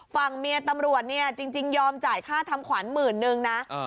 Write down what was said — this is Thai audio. ฝั่งเมียตำรวจเนี่ยจริงยอมจ่ายค่าทำขวัญหมื่นนึงนะ